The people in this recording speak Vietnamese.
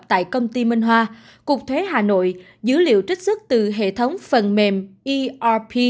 tại công ty minh hoa cục thuế hà nội dữ liệu trích xuất từ hệ thống phần mềm erp